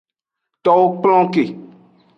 Towo kplon ke.